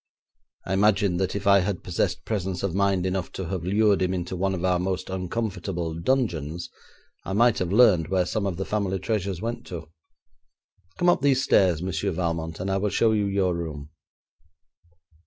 I imagine that if I had possessed presence of mind enough to have lured him into one of our most uncomfortable dungeons, I might have learned where some of the family treasures went to. Come up these stairs, Monsieur Valmont, and I will show you your room.'